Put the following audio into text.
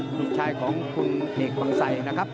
ลูกชายของคุณเอกบังไสนะครับ